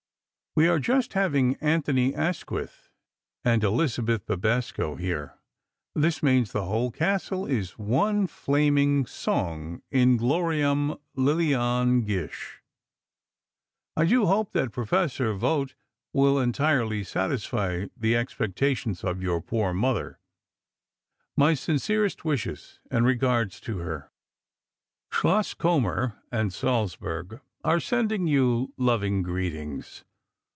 We are just having Anthony Asquith and Elizabeth Bibesco here. This means that the whole castle is one flaming song in gloriam Lilliane Gish.... I do hope that Professor Vogt will entirely satisfy the expectations of your poor mother. My sincerest wishes and regards to her ... Schloss Kommer and Salzburg are sending you loving greetings.